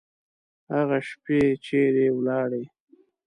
هغه شپې چیري ولاړې؟